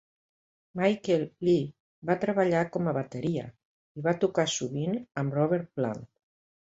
Michael Lee va treballar com a bateria, i va tocar sovint amb Robert Plant.